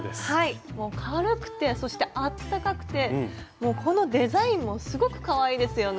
軽くてそしてあったかくてこのデザインもすごくかわいいですよね。